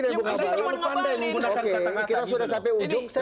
anda terlalu pandai menggunakan kata kata